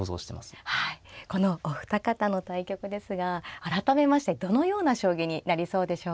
はいこのお二方の対局ですが改めましてどのような将棋になりそうでしょうか。